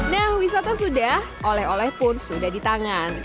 nah wisata sudah oleh oleh pun sudah di tangan